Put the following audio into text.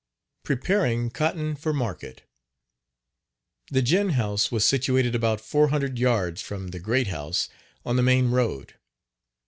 PREPARING COTTON FOR MARKET. The gin house was situated about four hundred yards from "the great house" on the main road.